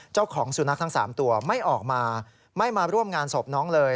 เจ้าของสุนัขทั้ง๓ตัวไม่ออกมาไม่มาร่วมงานศพน้องเลย